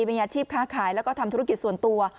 มีอาชีพค้าขายแล้วก็ทำธุรกิจส่วนตัว